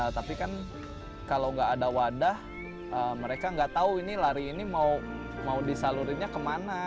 tapi kan kalau nggak ada wadah mereka nggak tahu ini lari ini mau disalurinnya kemana